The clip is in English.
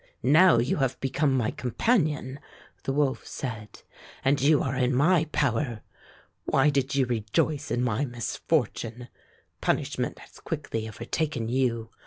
''Now you have become my companion," the wolf said, "and you are in my power. Why did you rejoice in my misfortune Punishment has quickly overtaken you.